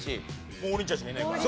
もう王林ちゃんしかいないから。